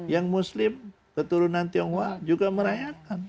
yang muslim keturunan tionghoa juga merayakan